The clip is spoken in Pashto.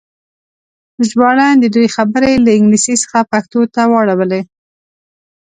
ژباړن د دوی خبرې له انګلیسي څخه پښتو ته واړولې.